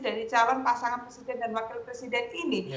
dari calon pasangan presiden dan wakil presiden ini